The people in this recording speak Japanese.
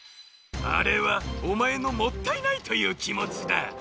あれはおまえの「もったいない」というきもちだ。